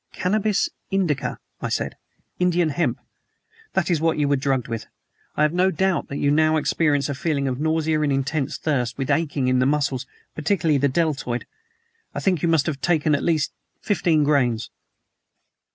"Cannabis indica," I said "Indian hemp. That is what you were drugged with. I have no doubt that now you experience a feeling of nausea and intense thirst, with aching in the muscles, particularly the deltoid. I think you must have taken at least fifteen grains."